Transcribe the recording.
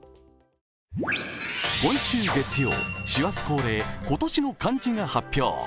今週月曜、師走恒例今年の漢字が発表。